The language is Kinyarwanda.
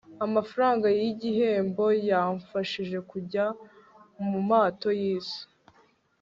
amafaranga yigihembo yamfashije kujya mumato yisi